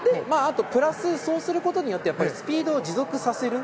プラス、そうすることによってスピードを持続させる。